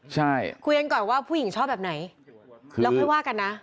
ใช่คุยกันก่อนว่าผู้หญิงชอบแบบไหนแล้วค่อยว่ากันนะ